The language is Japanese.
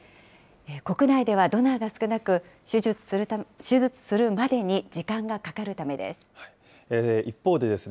国内ではドナーが少なく、手術するまでに時間がかかるためです。